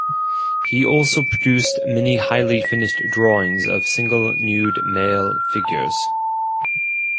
He also produced many highly finished drawings of single nude male figures.